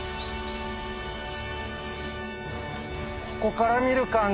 ここから見る感じ